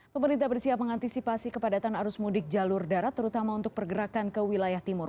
pemerintah bersiap mengantisipasi kepadatan arus mudik jalur darat terutama untuk pergerakan ke wilayah timur